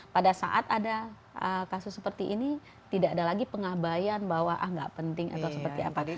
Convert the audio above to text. pada saat ada kasus seperti ini tidak ada lagi pengabayan bahwa ah nggak penting atau seperti apa